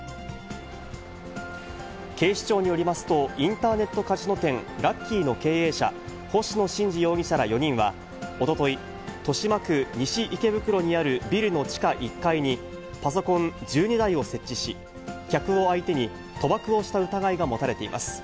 警視庁によりますと、インターネットカジノ店、ラッキーの経営者、星野伸司容疑者ら４人は、おととい、豊島区西池袋にあるビルの地下１階に、パソコン１２台を設置し、客を相手に賭博をした疑いが持たれています。